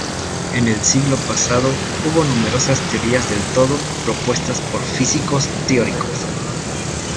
En el siglo pasado, hubo numerosas teorías del todo propuestas por físicos teóricos.